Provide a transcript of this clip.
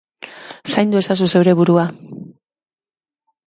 Zaindu ezazu zeure burua.